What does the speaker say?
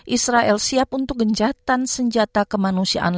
israel siap untuk gencatan senjata kemanusiaan lainnya